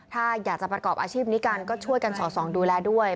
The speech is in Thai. ถ้าอยากจะประกอบอาชีพนี้กันก็ช่วยกันสอดส่องดูแลด้วย